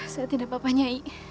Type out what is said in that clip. saya tidak apa apanya nyai